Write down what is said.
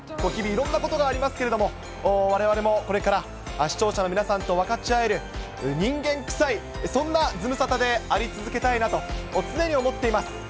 日々、いろんなことがありますけれども、われわれもこれから、視聴者の皆さんと分かち合える、人間臭い、そんなズムサタであり続けたいなと、常に思っています。